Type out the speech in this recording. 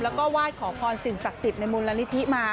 แล้วก็ไหว้ขอพรสิ่งศักดิ์สิทธิ์ในมูลนิธิมา